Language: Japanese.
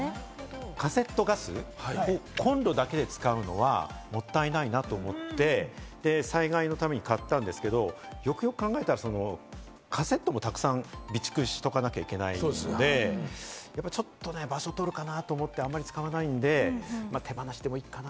カセットガスをコンロだけで使うのはもったいないなと思って、災害のために買ったんですけど、よくよく考えたら、カセットもたくさん備蓄しとかなきゃいけないですので、ちょっと場所とるかなと思って、あまり使わないので、手放してもいいかな。